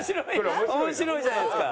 面白いじゃないですか。